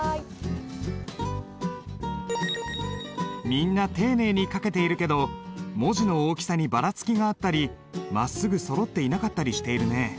みんな丁寧に書けているけど文字の大きさにバラつきがあったりまっすぐそろっていなかったりしているね。